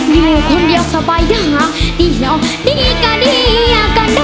อยู่คนเดียวสบายหยาดีแล้วดีก็ดีก็ดอ